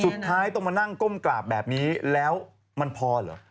สุดท้ายต้องมานั่งก้มกราบแบบนี้แล้วมันพอเหรอ